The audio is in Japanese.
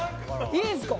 いいんすか？